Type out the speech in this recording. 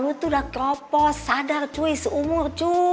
lu udah keropos sadar cuy seumur